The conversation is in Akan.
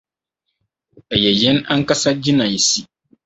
Ɛyɛ yɛn ankasa gyinaesi.